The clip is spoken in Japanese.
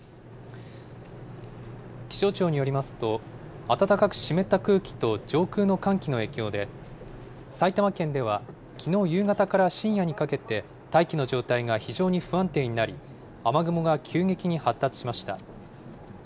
気象庁によりますと、暖かく湿った空気と上空の寒気の影響で、埼玉県ではきのう夕方から深夜にかけて、大気の状態が非常に不安定になり、雨雲が急激に発達しました。